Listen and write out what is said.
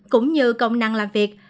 cũng như công năng làm việc